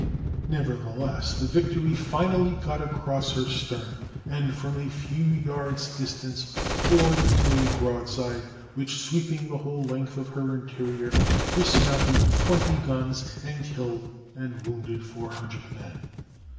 Nevertheless, the Victory finally got across her stern, and from a few yards distance poured in a broadside which, sweeping the whole length of her interior, dismounted twenty guns, and killed and wounded 400 men.